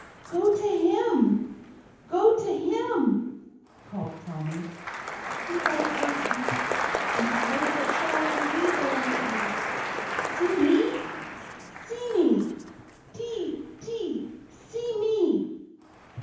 "Go to him! Go to him!" called Tommy. "He won't hurt you, and he won't let Shadow the Weasel hurt you! See me! See me! Dee, dee, see me!"